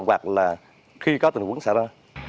hoặc là khi có tình huống xảy ra